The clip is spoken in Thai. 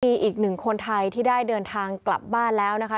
มีอีกหนึ่งคนไทยที่ได้เดินทางกลับบ้านแล้วนะคะ